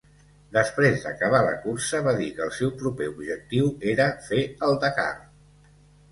Després d'acabar la cursa va dir que el seu proper objectiu era fer el Dakar.